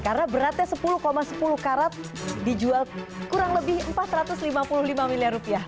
karena beratnya sepuluh sepuluh karat dijual kurang lebih empat ratus lima puluh lima miliar rupiah